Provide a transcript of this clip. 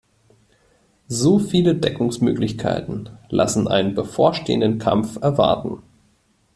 So viele Deckungsmöglichkeiten lassen einen bevorstehenden Kampf erwarten.